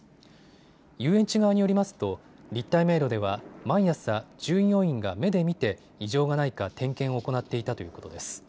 遊園地側によりますと立体迷路では毎朝、従業員が目で見て異常がないか点検を行っていたということです。